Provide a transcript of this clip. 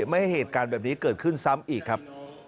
ไม่ให้เหตุการณ์แบบนี้เกิดขึ้นซ้ำอีกครับ